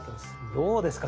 どうですか？